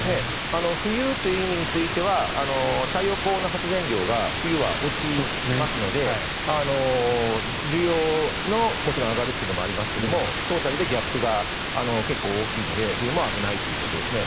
冬という意味においては太陽光の発電量が冬は落ちますので需要がもちろん上がるというのもありますがトータルでギャップが結構大きいので冬も危ないということですね。